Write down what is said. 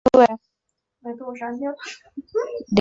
匙叶齿缘草为紫草科齿缘草属的植物。